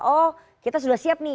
oh kita sudah siap nih